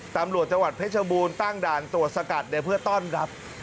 ตำรวจจังหวัดเพชรบูรณ์ตั้งด่านตรวจสกัดเพื่อต้อนรับ